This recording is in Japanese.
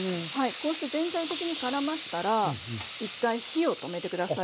こうして全体的にからまったら１回火を止めて下さい。